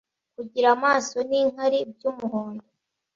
kugira amaso n’inkari by’umuhondo